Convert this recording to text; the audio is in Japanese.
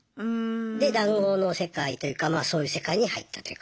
で談合の世界というかまあそういう世界に入ったというか。